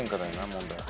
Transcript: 問題は。